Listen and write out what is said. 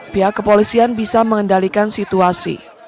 pihak kepolisian bisa mengendalikan situasi